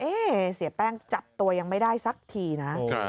เสียแป้งจับตัวยังไม่ได้สักทีนะ